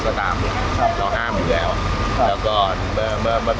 เพราะว่าเมืองนี้จะเป็นที่สุดท้าย